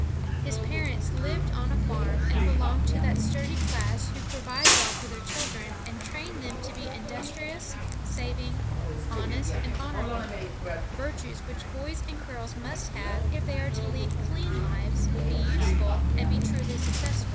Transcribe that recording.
His parents lived on a farm, and belonged to that sturdy class who provide well for their children, and train them to be industrious, saving, honest, and honorable, — virtues which boys and girls must have, if they are to lead clean lives, be useful, and be truly successful.